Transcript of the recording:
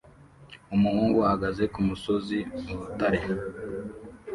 Umuhungu ahagaze kumusozi urutare